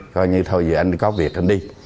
coi như thôi giờ anh có việc anh đi